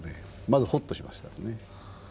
まずほっとしましたね。